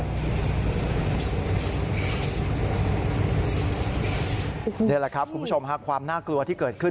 นี่แหละครับคุณผู้ชมความน่ากลัวที่เกิดขึ้น